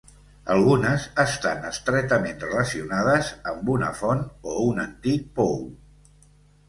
Algunes estan estretament relacionades amb una font o un antic pou.